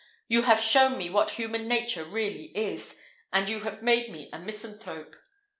You have shown me what human nature really is, and you have made me a misanthrope.